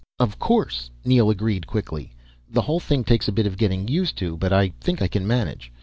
"Of course," Neel agreed quickly. "The whole thing takes a bit of getting used to, but I think I can manage.